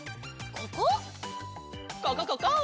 ここここ！